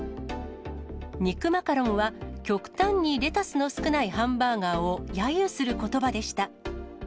肉マカロンは、極端にレタスの少ないハンバーガーをやゆすることばでした。